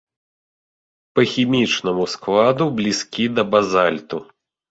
Па хімічнаму складу блізкі да базальту.